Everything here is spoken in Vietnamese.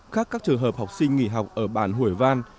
khác các trường hợp học sinh nghỉ học ở bản hồi văn